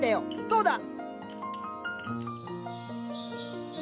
そうだ！